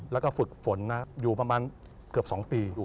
แล้วก็ฝึกฝนอยู่ประมาณเกือบ๒ปี